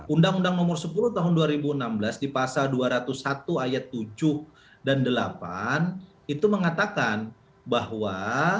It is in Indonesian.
undang undang nomor sepuluh tahun dua ribu enam belas di pasal dua ratus satu ayat tujuh dan delapan itu mengatakan bahwa